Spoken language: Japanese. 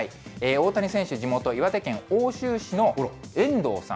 大谷選手の地元、岩手県奥州市の遠藤さん。